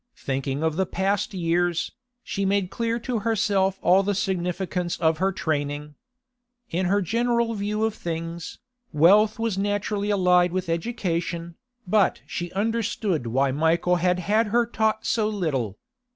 Thinking of the past years, she made clear to herself all the significance of her training. In her general view of things, wealth was naturally allied with education, but she understood why Michael had had her taught so little.